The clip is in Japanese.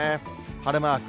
晴れマーク。